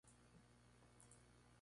Arrow Key", fue puesto en Amazon.